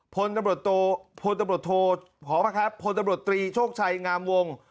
พนธบรตโทพนธบรตตรีโชคชัยงามวง